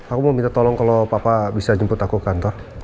aku mau minta tolong kalau papa bisa jemput aku kantor